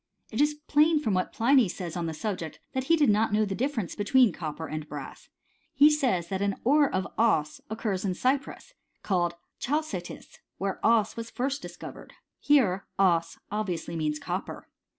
It is plain from what Pliny says on the subject, that he did not know the difference between copper and brass ; he says, that an ore of as occurs in Cyprus, called chaldtisy where cea was first discor vered. Here (bs obviously means copper.